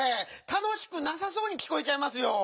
たのしくなさそうにきこえちゃいますよぉ！